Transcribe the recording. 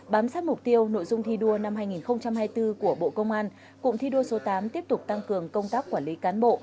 bám sát mục tiêu nội dung thi đua năm hai nghìn hai mươi bốn của bộ công an cụm thi đua số tám tiếp tục tăng cường công tác quản lý cán bộ